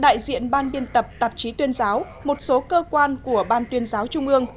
đại diện ban biên tập tạp chí tuyên giáo một số cơ quan của ban tuyên giáo trung ương